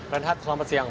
reinhardt selamat siang